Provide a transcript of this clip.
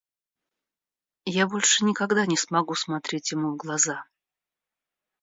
Я больше никогда не смогу смотреть ему в глаза.